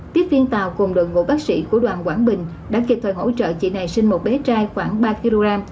tiếp viên tàu cùng đội ngũ bác sĩ của đoàn quảng bình đã kịp thời hỗ trợ chị này sinh một bé trai khoảng ba kg